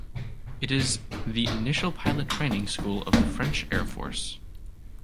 It is the initial pilot training school of the French Air Force.